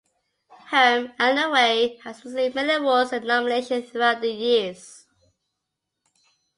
"Home and Away" has received many awards and nominations throughout the years.